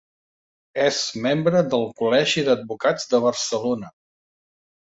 És membre del col·legi d'advocats de Barcelona.